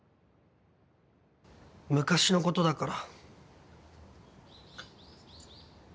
昔のことだから。